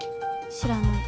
知らない。